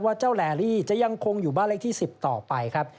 เจ้าแลลี่จะยังคงอยู่บ้านเลขที่๑๐ต่อไปครับ